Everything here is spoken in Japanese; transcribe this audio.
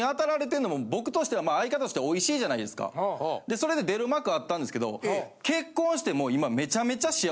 それで出る幕あったんですけど。